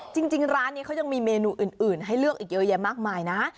จริงร้านนี้เขายังมีเมนูอื่นให้เลือกอีกเยอะแยะมากมายนะ